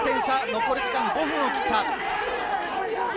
残り時間５分を切った。